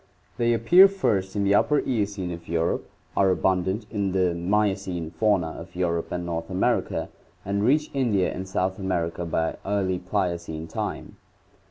They appear first in the Upper Eocene of Europe, are abundant in the Miocene fauna of Europe and North America, and reach India and South America by early Pliocene time.